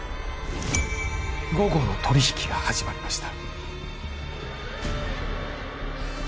午後の取引が始まりました